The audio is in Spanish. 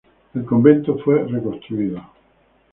El convento fue reconstruido.